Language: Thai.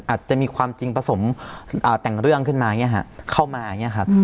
อาจจะมีความจริงผสมอ่าแต่งเรื่องขึ้นมาเนี้ยค่ะเข้ามาเนี้ยค่ะอืม